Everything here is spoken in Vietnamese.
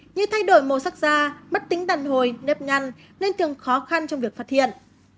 như thay đổi màu sắc da mất tính đàn hồi nếp nhăn nên thường khó khăn trong việc phát hiện